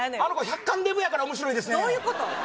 あの子百貫デブやから面白いですねどういうこと？